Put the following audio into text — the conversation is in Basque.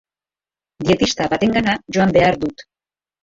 Dietista batengana joan behar dut.